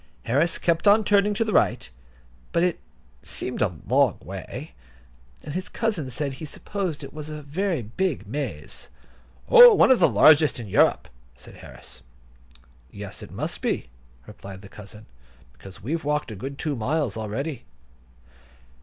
Harris kept on turning to the right, but it seemed a long way, and his cousin said he supposed it was a very big maze. "Oh, one of the largest in Europe," said Harris. "Yes, it must be," replied the cousin, "because we've walked a good two miles already."